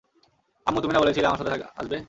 আম্মু, তুমি না বলেছিলে আমার সাথে আসবে?